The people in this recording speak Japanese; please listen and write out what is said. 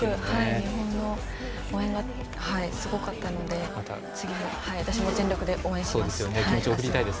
日本の応援が、すごかったので次も、私も全力で応援します。